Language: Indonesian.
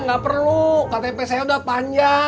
nggak perlu ktp saya udah panjang